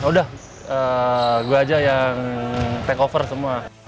udah gue aja yang take over semua